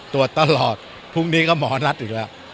ตรวจตลอดพรุ่งนี้ก็หมอนัดอยู่แล้ว